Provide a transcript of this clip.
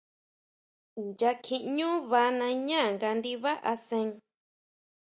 Nya kjiʼñú vaa nañá nga ndibá asén.